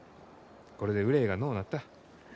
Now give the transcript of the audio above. これで憂いがのうなった。